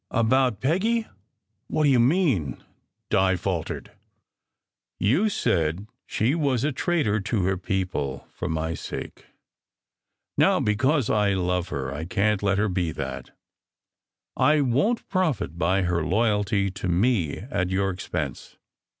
"About Peggy? What do you mean?" Di faltered. "You said that she was a * traitor to her people for my sake. Now, because I love her, I can t let her be that. I won t profit by her loyalty to me at your expense.